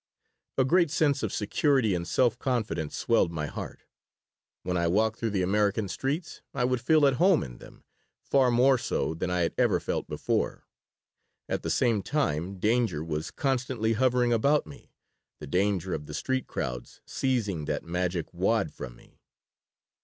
A great sense of security and self confidence swelled my heart. When I walked through the American streets I would feel at home in them, far more so than I had ever felt before. At the same time danger was constantly hovering about me the danger of the street crowds seizing that magic wad from me.